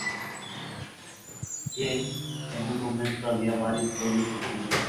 James en un momento había varios pueblos distintos.